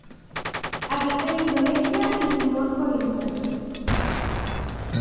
Habita en Indonesia y Timor Oriental.